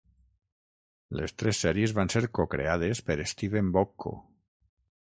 Les tres sèries van ser co-creades per Steven Bochco.